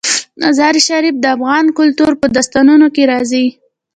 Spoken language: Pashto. مزارشریف د افغان کلتور په داستانونو کې راځي.